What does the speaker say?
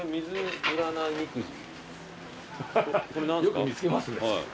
よく見つけますね。